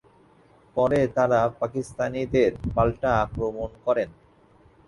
পরে তারা পাকিস্তানিদের পাল্টা আক্রমণ করেন।